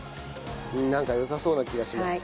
なんかよさそうな気がします。